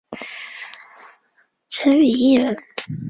陈与义人。